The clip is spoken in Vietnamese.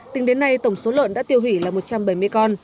tính đến nay tổng số lợn đã tiêu hủy là một trăm bảy mươi con